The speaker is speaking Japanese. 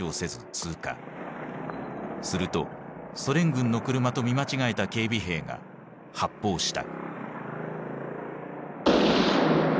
するとソ連軍の車と見間違えた警備兵が発砲した。